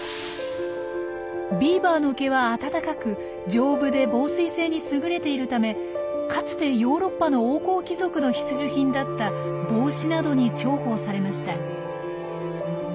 ビーバーの毛は暖かく丈夫で防水性に優れているためかつてヨーロッパの王侯貴族の必需品だった帽子などに重宝されました。